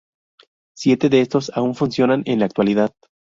Siete de estos aún funcionan en la actualidad.